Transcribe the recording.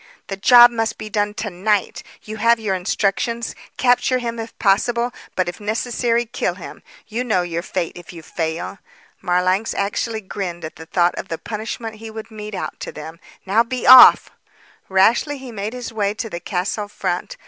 "The job must be done to night. You have your instructions. Capture him if possible; but if necessary, kill him. You know your fate, if you fail." Marlanx actually grinned at the thought of the punishment he would mete out to them. "Now be off!" Rashly he made his way to the castle front.